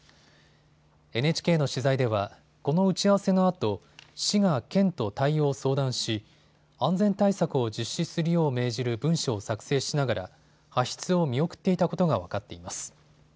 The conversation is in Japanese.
ＮＨＫの取材ではこの打ち合わせのあと市が県と対応を相談し安全対策を実施するよう命じる文書を作成しながら発出を見送っていたことが分かっています。